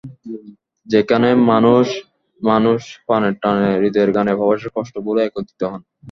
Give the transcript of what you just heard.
যেখানে মানুষে মানুষ প্রাণের টানে, হূদয়ের গানে প্রবাসের কষ্ট ভুলে একত্রিত হন।